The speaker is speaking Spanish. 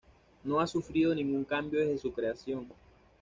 No ha sufrido ningún cambio desde su creación.